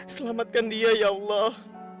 selamatkan dia ya allah